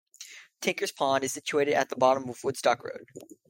"Tinkers Pond" is situated at the bottom of Woodstock Road.